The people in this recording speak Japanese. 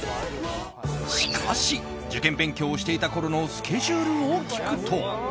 しかし受験勉強をしていたころのスケジュールを聞くと。